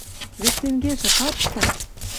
Вет тенгежӹ каршта!»